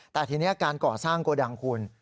แต่ทีนี้การก่อสร้างโกดังคุณ